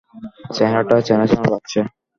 চেহারাটা চেনা চেনা লাগছে।